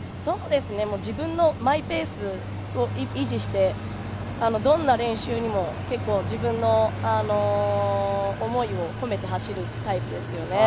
自分のマイペースを維持してどんな練習にも結構自分の思いを込めて走るタイプですよね。